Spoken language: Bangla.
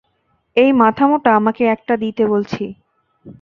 এই মাথামোটা, আমাকে একটা দিতে বলছি।